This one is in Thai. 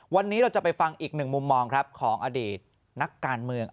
วันนี้เราจะไปฟังอีกหนึ่งมุมมองครับของอดีตนักการเมือง